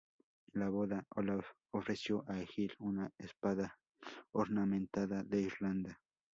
En la boda, Olaf ofreció a Egil una espada ornamentada de Irlanda.